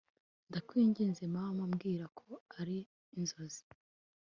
ndakwinginze mana, mbwira ko ari inzozi